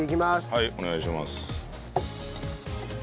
はいお願いします。